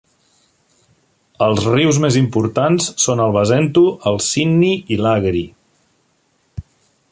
Els rius més importants són el Basento, el Sinni i l'Agri.